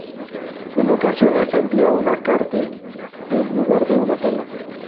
En ocasiones se emplea una carte en lugar de una tela.